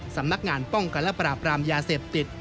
สำนักงานป้องกันและปราบรามยาเสพติด